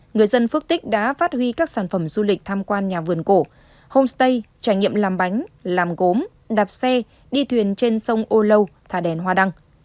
người dân phước tích đã phát huy các sản phẩm du lịch tham quan nhà vườn cổ homestay trải nghiệm làm bánh làm gốm đạp xe đi thuyền trên sông âu lâu thả đèn hoa đăng